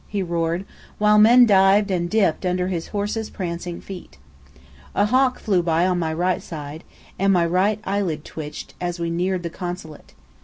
he roared, while men dived and dipped under his horse's prancing feet. A hawk flew by on my right side, and my right eyelid twitched, as we neared the Consulate.